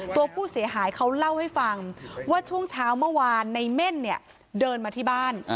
ตัวผู้เสียหายเขาเล่าให้ฟังว่าช่วงเช้าเมื่อวานในเม่นเนี่ยเดินมาที่บ้าน